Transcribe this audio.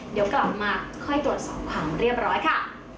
เดี๋ยวกลับมาค่อยตรวจสอบความเรียบร้อยค่ะ